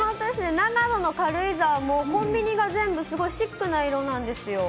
長野の軽井沢も、コンビニが全部、すごいシックな色なんですよ。